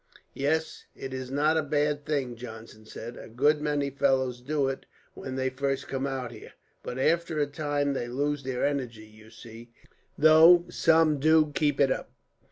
"Yes, it is not a bad thing," Johnson said. "A good many fellows do it, when they first come out here. But after a time they lose their energy, you see, though some do keep it up.